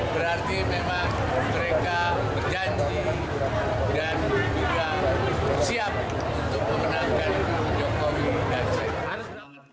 berarti memang mereka berjanji dan juga siap untuk memenangkan jokowi dan saya